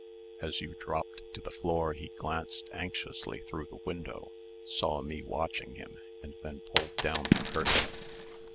As you dropped to the floor, he glanced anxiously through the window, saw me watching him, and then pulled down the curtain."